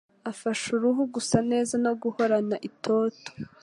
afasha uruhu gusa neza no guhorana itoto